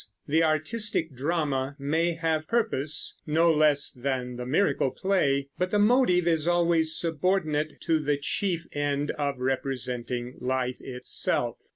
The artistic drama may have purpose, no less than the Miracle play, but the motive is always subordinate to the chief end of representing life itself.